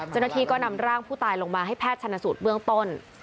เจ้าหน้าที่ก็นำร่างผู้ตายลงมาให้แพทย์ชนสูตรเบื้องต้น